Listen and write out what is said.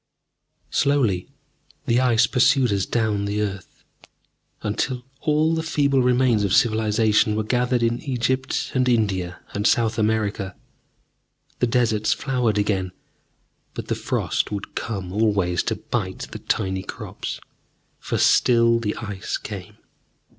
Slowly the Ice pursued us down the earth, until all the feeble remains of civilization were gathered in Egypt and India and South America. The deserts flowered again, but the frost would come always to bite the tiny crops. For still the Ice came.